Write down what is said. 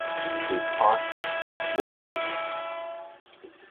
In First World War he had to fight on all fronts.